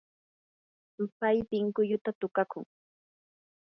pay pinkullutam tukakun.